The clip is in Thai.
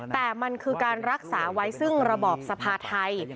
แต่มันคือการรักษาไว้ซึ่งระบอบสภาไทย